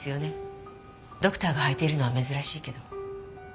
ドクターが履いているのは珍しいけど。